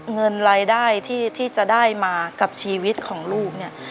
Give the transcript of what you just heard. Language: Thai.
เงินรายได้ที่จะได้มากับชีวิตของลูกเนี่ย